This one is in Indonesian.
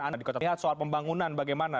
anda lihat soal pembangunan bagaimana